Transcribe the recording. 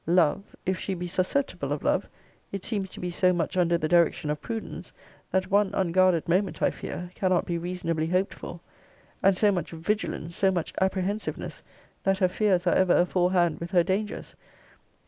LOVE if she be susceptible of love, it seems to be so much under the direction of prudence, that one unguarded moment, I fear, cannot be reasonably hoped for: and so much VIGILANCE, so much apprehensiveness, that her fears are ever aforehand with her dangers.